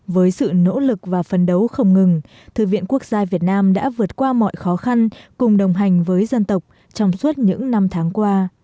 với sự nỗ lực và phấn đấu không ngừng thư viện quốc gia việt nam đã vượt qua mọi khó khăn cùng đồng hành với dân tộc trong suốt những năm tháng qua